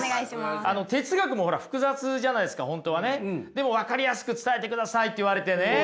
でも分かりやすく伝えてくださいって言われてね。